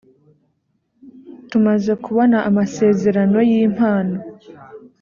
tumaze kubona amasezerano y impano